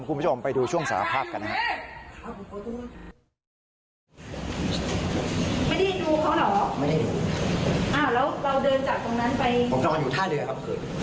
คุณผู้ชมไปดูช่วงสารภาพกันนะครับ